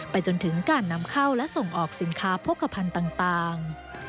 จนถึงการนำเข้าและส่งออกสินค้าโภคภัณฑ์ต่าง